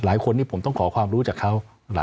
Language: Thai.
หลายคนผมต้องขอความรู้จากเขา